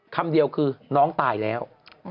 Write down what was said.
คำเดียวคือน้องตายแล้ว